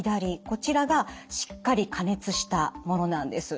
こちらがしっかり加熱したものなんです。